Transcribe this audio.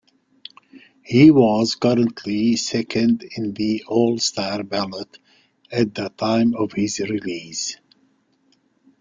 He was currently second in the all-star ballot at the time of his release.